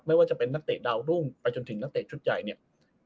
ไม่ว่าจะเป็นนักเตะดาวรุ่งไปจนถึงนักเตะชุดใหญ่เนี่ย